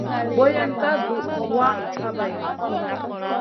Boyen ka duh wa habayna.